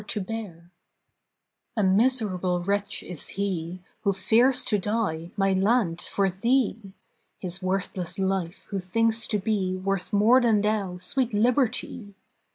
TWO MAGYAR POEMS A miserable wretch is he Who fears to die, my land, for thee! His worthless life who thinks to be Worth more than thou, sweet liberty!